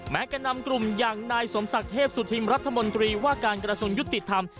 แก่นำกลุ่มอย่างนายสมศักดิ์เทพสุธินรัฐมนตรีว่าการกระทรวงยุติธรรม